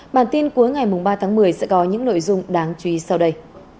bản tin cuối ngày ba tháng một mươi sẽ có những nội dung đáng chú ý sau đây